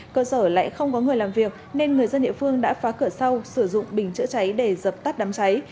cơ sở lại không có người làm việc nên người dân địa phương đã phá cửa sau sử dụng bình chữa cháy để dập tắt đám cháy